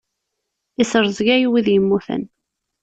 Isrezgay wid immuten.